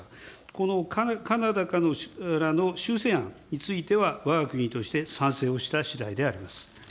このカナダからの修正案については、わが国として賛成をしたしだいであります。